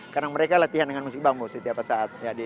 karena mereka latihan dengan musik bambu setiap saat